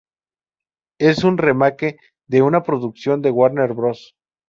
Es un "remake" de una producción de Warner Bros.